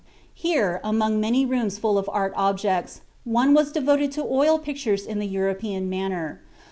Here, among many rooms full of art objects, one was devoted to oil pictures in the European manner.